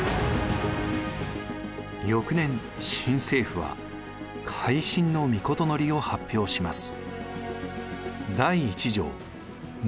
翌年新政府は「改新の詔」を発表します。